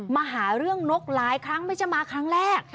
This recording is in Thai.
มาหาเรื่องนกหลายครั้งไม่ใช่มาครั้งแรก